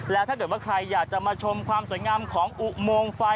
แล้วถ้าเกิดว่าใครอยากจะมาชมความสวยงามของอุโมงไฟ